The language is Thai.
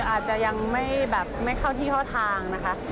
อาจจะยังไม่เข้าที่ท่อทางนะครับ